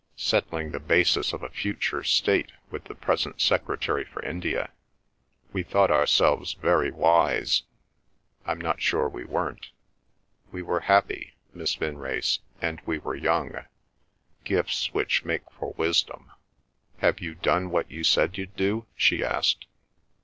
—settling the basis of a future state with the present Secretary for India. We thought ourselves very wise. I'm not sure we weren't. We were happy, Miss Vinrace, and we were young—gifts which make for wisdom." "Have you done what you said you'd do?" she asked.